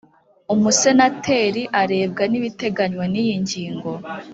Umusenateri arebwa n’ibiteganywa n’iyi ngingo